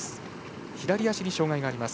左足に障がいがあります。